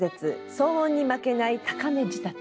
騒音に負けない高め仕立て」。